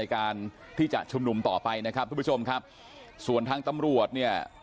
การที่จะชุมนุมต่อไปนะครับทุกผู้ชมครับส่วนทางตำรวจเนี่ย